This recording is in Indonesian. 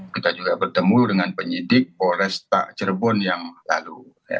kita juga bertemu dengan penyidik polresta cirebon yang lalu